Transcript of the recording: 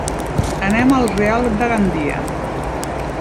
Anem al Real de Gandia.